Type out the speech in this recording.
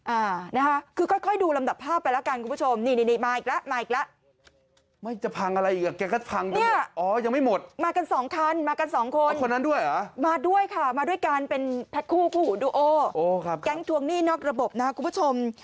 อ่านะฮะคือค่อยดูลำดับภาพไปละกันคุณผู้ชม